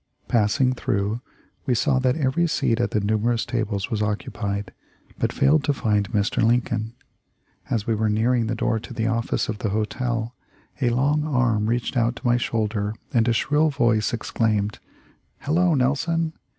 Passing through, we saw that every seat at the numerous tables was occupied, but failed to find Mr. Lincoln. As we were near ing the door to the office of the hotel, a long arm reached to my shoulder and a shrill voice ex claimed, 'Hello, Nelson!